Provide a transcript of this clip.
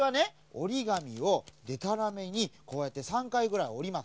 おりがみをでたらめにこうやって３かいぐらいおります。